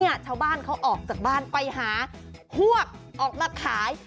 ชาวบ้านเขาออกจากบ้านไปหาพวกออกมาขาย